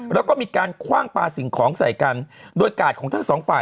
แล้วก็มีการคว่างปลาสิ่งของใส่กันโดยกาดของทั้งสองฝ่าย